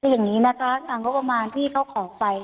คืออย่างนี้นะคะทางงบประมาณที่เขาขอไป